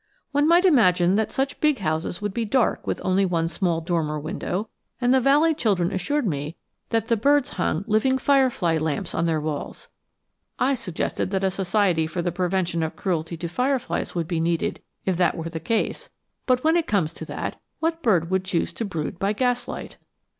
One might imagine that such big houses would be dark with only one small dormer window, and the valley children assured me that the birds hung living firefly lamps on their walls! I suggested that a Society for the Prevention of Cruelty to Fireflies would be needed if that were the case; but when it comes to that, what bird would choose to brood by gaslight?